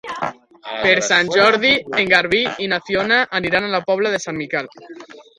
Per Sant Jordi en Garbí i na Fiona aniran a la Pobla de Sant Miquel.